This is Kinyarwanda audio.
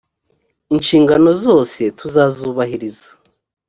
inshingano zose tuzazubahiriza.